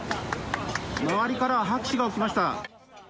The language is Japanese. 周りからは拍手が起きました。